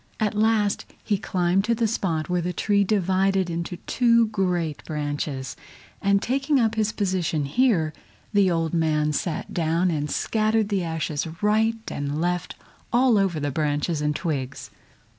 At last he climbed to the spot where the tree divided into two great branches, and taking up his position here, the old man sat down and scattered the ashes right and left all over the branches and twigs.